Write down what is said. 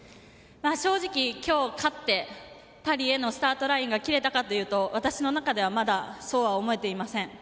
正直、今日勝ってパリへのスタートラインが切れたかというと私の中ではまだそうは思えていません。